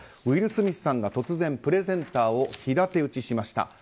ウィル・スミスさんが突然プレゼンターを平手打ちしました。